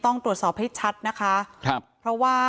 ต้องรอผลพิสูจน์จากแพทย์ก่อนนะคะ